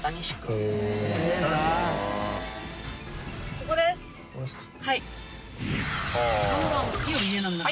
ここですか？